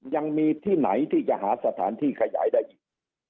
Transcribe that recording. ยังมีที่ไหนที่จะหาสถานที่ขยายได้อีก